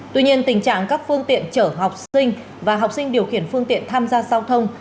tuy nhiên tình trạng các phương tiện chở học sinh và học sinh điều khiển phương tiện tham gia giao thông